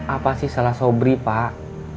apa sih salah sobri pak